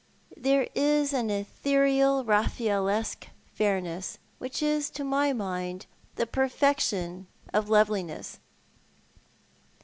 Thero is an ethereal Eaffacllesque fairness which is to my mind the perfection of loveliness."